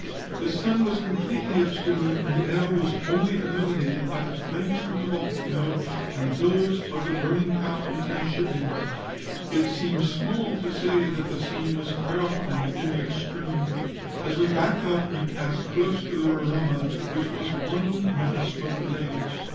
The sun was completely obscured, and the air was only illuminated by the flames from the volcano and those of the burning town and shipping. It seems small to say that the scene was terrifying in the extreme. As we backed out we passed close to the Roraima, which was one mass of blaze.